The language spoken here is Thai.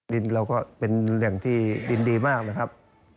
ดินเราก็เป็นแหล่งที่ดินดีมากนะครับ